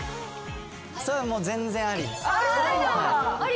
それはもう全然あり。